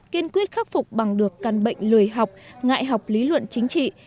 kiên quyết khắc phục bằng được căn bệnh lười học ngại học lý luận chính trị